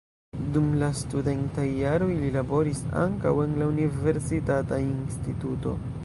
Dum la studentaj jaroj li laboris ankaŭ en la universitata instituto.